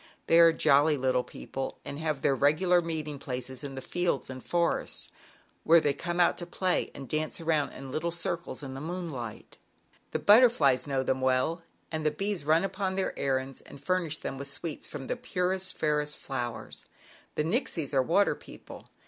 They are jolly little people and have their regular meeting places in the fields and forests, where they come out to play and dance around in circles, in the moonlight. J^ "The butterflies know them well and the bees run upon their errands and fur H t ^"^ 62 ZAUBERLINDA, THE WISE WITCH. nish them with sweets from the purest, fairest flowers. y i "The Nixies are water people.